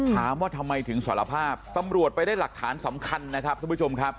ถามว่าทำไมถึงสารภาพตำรวจไปได้หลักฐานสำคัญนะครับท่านผู้ชมครับ